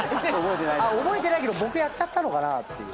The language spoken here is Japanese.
覚えてないけど僕やっちゃったのかな？って。